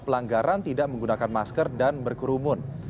pelanggaran tidak menggunakan masker dan berkerumun